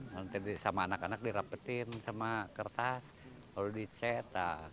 nanti sama anak anak dirapetin sama kertas lalu dicetak